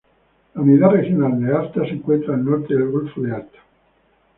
La unidad regional de Arta se encuentra al norte del golfo de Arta.